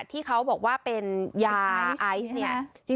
ที่เขาบอกว่าเป็นยายไอซ์เนี่ย